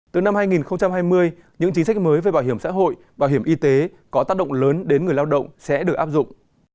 từ năm hai nghìn hai mươi những chính sách mới về bảo hiểm xã hội bảo hiểm y tế có tác động lớn đến người lao động sẽ được áp dụng